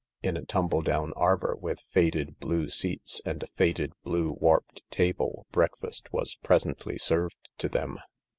In a tumble down arbour, with faded blue seats and a faded blue, warped table, breakfast was presently served to them.